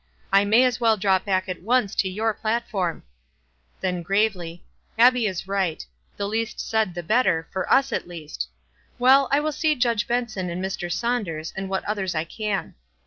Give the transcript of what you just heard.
I may as well drop back at once to your platform." Then, gravely, "Abbie is right. The least said the better, t^ov us at least. Well, I will see Judge Benson and Mr. Saunders, and what others I can."